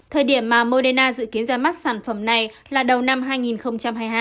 thời điểm mà moderna dự kiến ra mắt sản phẩm này là đầu năm hai nghìn hai mươi hai